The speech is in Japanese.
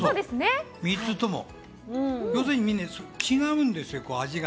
３つともみんな違うんですよ、味が。